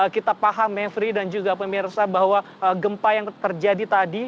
kita paham mevri dan juga pemirsa bahwa gempa yang terjadi tadi